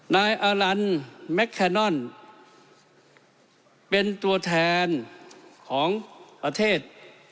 นายอารันแมคแคนอนเป็นตัวแทนของประเทศ